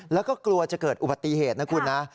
แล้วก็กลัวจะเกิดอุบัติเหตุนะคุณนะ